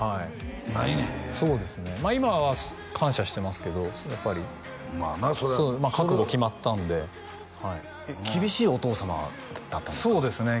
今は感謝してますけどやっぱり覚悟決まったんで厳しいお父様だったそうですね